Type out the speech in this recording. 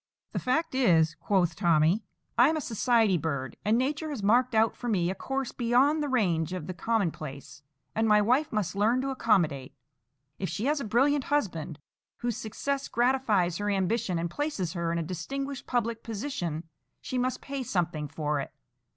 "The fact is," quoth Tommy, "I am a society bird, and Nature has marked out for me a course beyond the range of the commonplace, and my wife must learn to accommodate. If she has a brilliant husband, whose success gratifies her ambition and places her in a distinguished public position, she must pay something for it.